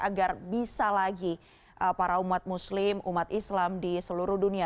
agar bisa lagi para umat muslim umat islam di seluruh dunia